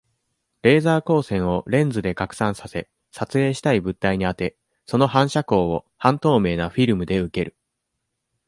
レーザー光線を、レンズで拡散させ、撮影したい物体に当て、その反射光を、半透明なフィルムで受ける。